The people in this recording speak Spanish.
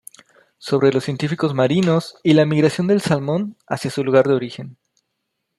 Sobre los científicos marinos y la migración del salmón hacia su lugar de origen.